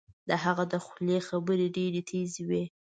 د هغه د خولې خبرې ډیرې تېزې وې